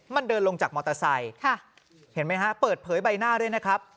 มันเดินลงจากมอเตอร์ไซค์เห็นไหมฮะเปิดเผยใบหน้าด้วยนะครับ